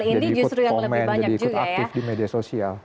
jadi ikut komen jadi ikut aktif di media sosial